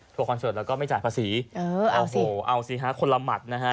คอนเสิร์ตแล้วก็ไม่จ่ายภาษีโอ้โหเอาสิฮะคนละหมัดนะฮะ